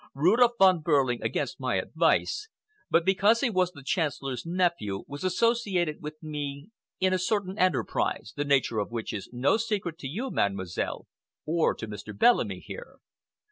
Rudolph Von Behrling, against my advice, but because he was the Chancellor's nephew, was associated with me in a certain enterprise, the nature of which is no secret to you, Mademoiselle, or to Mr. Bellamy here.